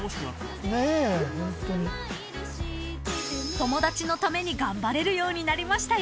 ［友達のために頑張れるようになりましたよ］